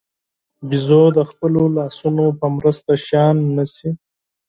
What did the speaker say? بیزو د خپلو لاسونو په مرسته شیان نیسي.